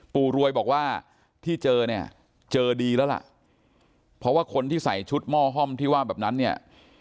ปู่รวยบอกว่าที่เจอเนี่ยเจอดีแล้วล่ะเพราะว่าคนที่ใส่ชุดหม้อห้อมที่ว่าแบบนั้นเนี่ย